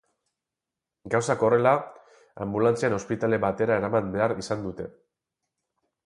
Gauzak horrela, anbulantzian ospitale batera eraman behar izan dute.